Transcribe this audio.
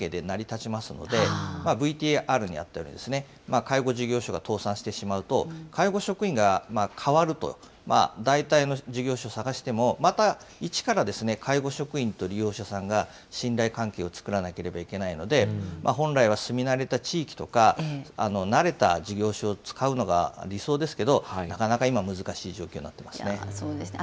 介護ってやっぱり人と人との信頼関係で成り立ちますので、ＶＴＲにあったように、介護事業所が倒産してしまうと、介護職員が代わると代替の事業所探しても、また一から介護職員と利用者さんが信頼関係を作らなければいけないので、本来は住み慣れた地域とか、慣れた事業所を使うのが理想ですけど、なかなか今、そうですね。